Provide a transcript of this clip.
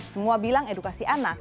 semua bilang edukasi anak